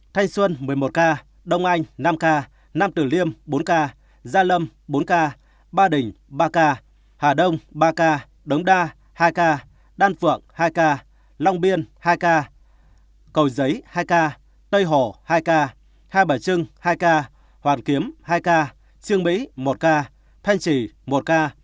thành xuân một mươi một ca đông anh năm ca nam tử liêm bốn ca gia lâm bốn ca ba đình ba ca hà đông ba ca đống đa hai ca đan phượng hai ca long biên hai ca cầu giấy hai ca tây hổ hai ca hai bả trưng hai ca hoàn kiếm hai ca trương mỹ một ca